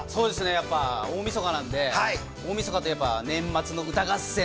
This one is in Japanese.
やっぱ大みそかなんで、大みそかといえば、年末の歌合戦。